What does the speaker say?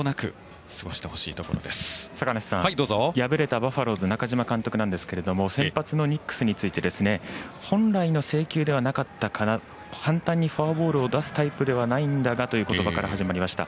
坂梨さん、敗れたバファローズ中嶋監督なんですけれども先発のニックスについて本来の制球ではなかった簡単にフォアボールを出すタイプではないんだがという言葉から始まりました。